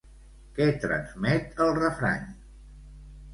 Què transmet el refrany?